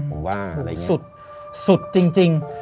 ผมว่าอะไรอย่างนี้สุดจริง